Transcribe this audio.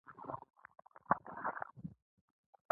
وړې کولمې یو پېچلی اوږد ټیوب دی.